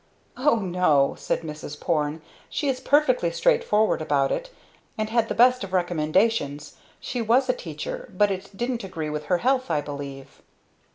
"O no," said Mrs. Porne. "She is perfectly straightforward about it, and had the best of recommendations. She was a teacher, but it didn't agree with her health, I believe."